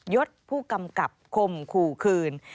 ยศผู้กำกับคมขู่คืน